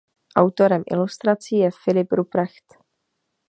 Autorem ilustrací je Philipp Ruprecht.